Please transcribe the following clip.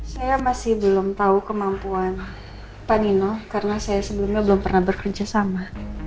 saya masih belum tahu kemampuan pak nino karena saya sebelumnya belum pernah bekerja sama